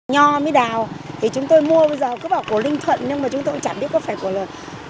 nho với đào thì chúng tôi mua bây giờ cứ bảo của ninh thuận nhưng mà chúng tôi cũng chẳng biết có phải của ninh thuận